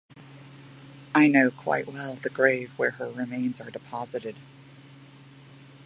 I know quite well the grave where her remains are deposited.